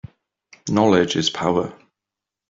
Knowledge is power.